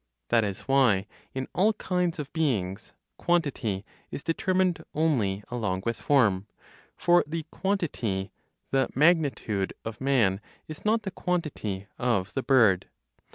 That is why in all kinds of beings, quantity is determined only along with form; for the quantity (the magnitude) of man is not the quantity of the bird.